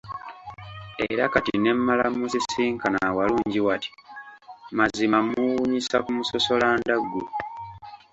Era kati ne mmala mmusisinkana awalungi wati, mazima mmuwunyisa ku musosolandaggu.